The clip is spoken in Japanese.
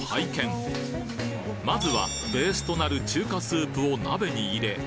まずはベースとなる中華スープを鍋に入れ